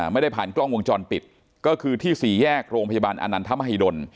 ไม่ได้ผ่านกล้องวงจรปิดก็คือที่สี่แยกโรงพยาบาลอนันทมหิดล